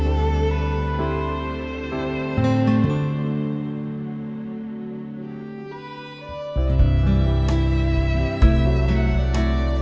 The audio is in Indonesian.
yaudah gak usah